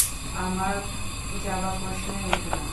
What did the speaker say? আমার যাবার প্রশ্নই ওঠে না।